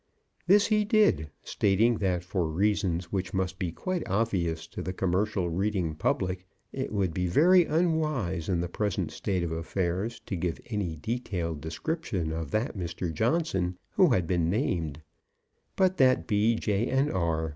This he did, stating that for reasons which must be quite obvious to the commercial reading public, it would be very unwise in the present state of affairs to give any detailed description of that Mr. Johnson who had been named; but that B., J., and R.